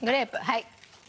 はい。